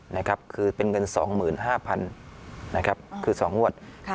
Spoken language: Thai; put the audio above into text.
นะครับคือเป็นเงินสองหมื่นห้าพันนะครับคือสองงวดค่ะ